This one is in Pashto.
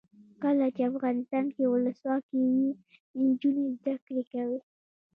کله چې افغانستان کې ولسواکي وي نجونې زده کړې کوي.